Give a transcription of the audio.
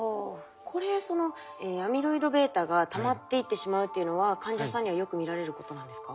これそのアミロイドβがたまっていってしまうというのは患者さんにはよく見られることなんですか？